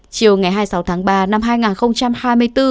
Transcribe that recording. chiều ngày hai mươi sáu tháng ba năm hai nghìn hai mươi bốn